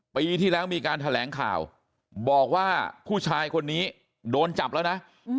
ปีที่แล้วมีการแถลงข่าวบอกว่าผู้ชายคนนี้โดนจับแล้วนะ